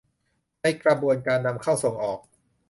ในกระบวนการนำเข้าส่งออก